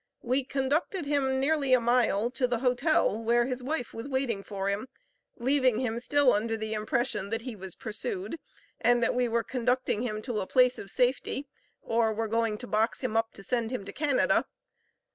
We conducted him nearly a mile, to the hotel where his wife was waiting for him, leaving him still under the impression that he was pursued and that we were conducting him to a place of safety, or were going to box him up to send him to Canada.